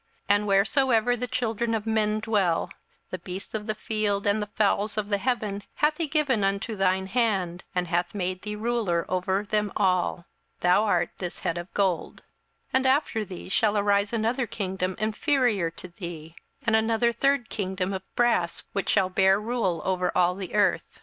27:002:038 And wheresoever the children of men dwell, the beasts of the field and the fowls of the heaven hath he given into thine hand, and hath made thee ruler over them all. Thou art this head of gold. 27:002:039 And after thee shall arise another kingdom inferior to thee, and another third kingdom of brass, which shall bear rule over all the earth.